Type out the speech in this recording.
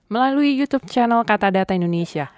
melalui youtube channel katadata indonesia